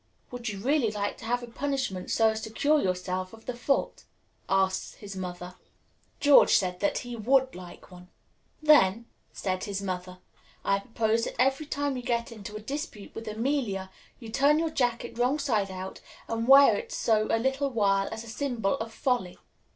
"Would you really like to have a punishment, so as to cure yourself of the fault?" asked his mother. George said that he would like one. "Then," said his mother, "I propose that every time you get into a dispute with Amelia, you turn your jacket wrong side out, and wear it so a little while as a symbol of folly."